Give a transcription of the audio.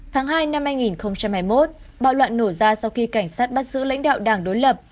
tháng hai năm hai nghìn hai mươi một bạo loạn nổ ra sau khi cảnh sát bắt giữ lãnh đạo đảng đối lập